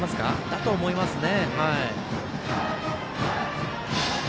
だと思いますね。